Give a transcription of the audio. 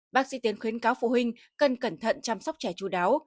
bác sĩ tiến khuyến cáo phụ huynh cần cẩn thận chăm sóc trẻ chú đáo